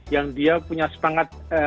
yang dia punya semangat